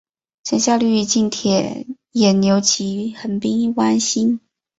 曾效力于近铁野牛及横滨湾星。